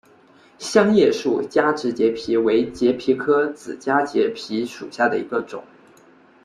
香叶树加植节蜱为节蜱科子加植节蜱属下的一个种。